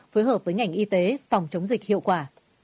phối hợp với ngành y tế phòng chống dịch hiệu quả